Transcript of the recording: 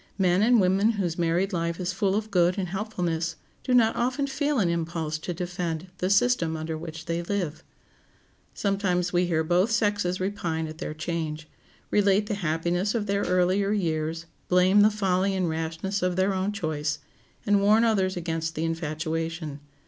Men and women whose married life is full of good and helpfulness do not often feel an impulse to defend the system under which they live. Sometimes we hear both sexes repine at their change, relate the happiness of their earlier years, blame the folly and rashness of their own choice, and warn others against the infatuation.